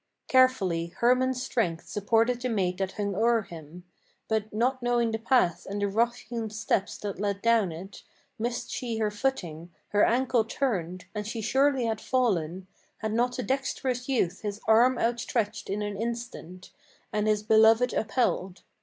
Carefully Hermann's strength supported the maid that hung o'er him; But, not knowing the path and the rough hewn steps that led down it, Missed she her footing, her ankle turned, and she surely had fallen, Had not the dexterous youth his arm outstretched in an instant, And his beloved upheld.